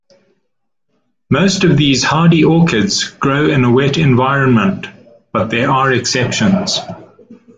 Most of these hardy orchids grow in a wet environment, but there are exceptions.